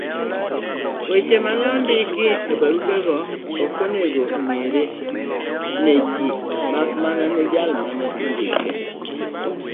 Weche mondiki ebugego okonego ong'ere ne ji makmana ne jal mane ondikogi.